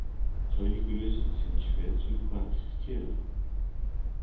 Solche Größen sind schwer zu quantifizieren.